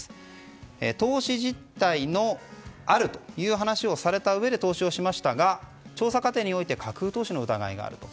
投資実態があるという話をされたうえで投資をしましたが調査過程において架空投資の疑いがあると。